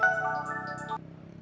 gua udah tahu